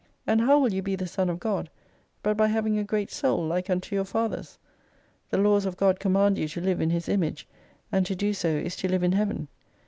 And how will you be the Son of God, but by having a great Soul like unto your Father's ? The Laws of God command you to live in His image : and to do so is to live in Heaven.